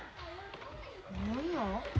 何や？